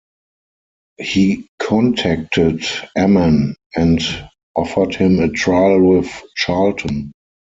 He contacted Ammann and offered him a trial with Charlton.